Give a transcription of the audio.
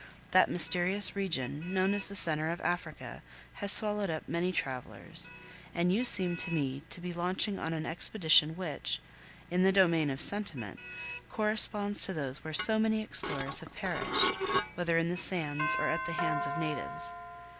That mysterious region, known as the centre of Africa, has swallowed up many travelers, and you seem to me to be launching on an expedition which, in the domain of sentiment, corresponds to those where so many explorers have perished, whether in the sands or at the hands of natives.